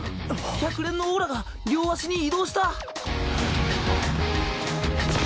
百錬のオーラが両足に移動した！？